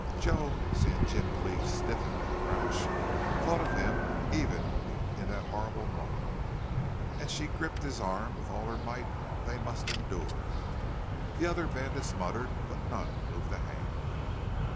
Joan, seeing Jim Cleve stiffen and crouch, thought of him even in that horrible moment; and she gripped his arm with all her might. They must endure. The other bandits muttered, but none moved a hand.